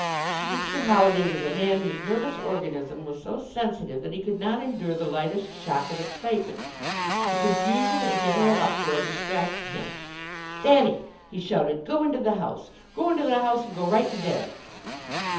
Mr. Holliday was a man whose nervous organism was so sensitive that he could not endure the lightest shock of excitement. The confusion and general uproar distracted him. "Thanny!" he shouted, "go into the house! Go into the house and go right to bed!"